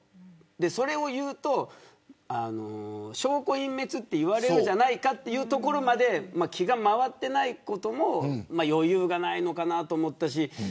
それを言うと証拠隠滅って言われるんじゃないかというところまで気が回っていないことも余裕がないのかなと思ったし。